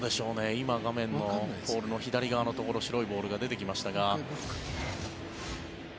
今、画面のポールの左側のところ白いボールが出てきましたが。